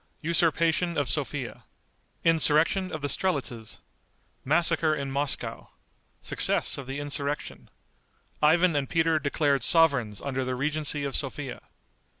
Usurpation of Sophia. Insurrection of the Strelitzes. Massacre in Moscow. Success of the Insurrection. Ivan and Peter Declared Sovereigns under the Regency of Sophia.